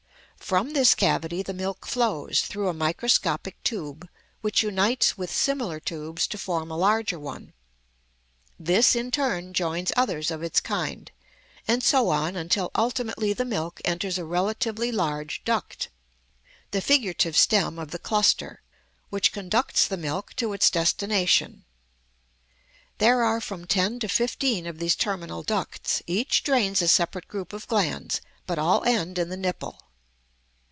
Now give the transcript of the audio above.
From this cavity the milk flows through a microscopic tube which unites with similar tubes to form a larger one; this in turn joins others of its kind; and so on, until ultimately the milk enters a relatively large duct the figurative stem of the cluster which conducts the milk to its destination. There are from ten to fifteen of these terminal ducts; each drains a separate group of glands, but all end in the nipple.